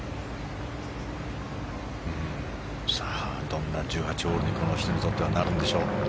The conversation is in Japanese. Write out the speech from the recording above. どんな１８ホールにこの人にとってなるんでしょう。